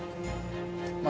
まあ